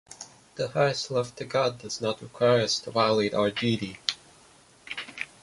The highest love to God does not require us to violate our duty.